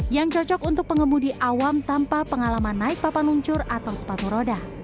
yang cocok untuk pengemudi awam tanpa pengalaman naik papan luncur atau sepatu roda